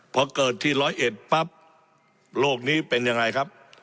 พอเกิดที่ร้อยเอ็ดปั๊บโลกนี้เป็นยังไงครับ